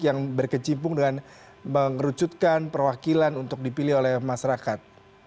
yang berkecimpung dengan mengerucutkan perwakilan untuk dipilih oleh masyarakat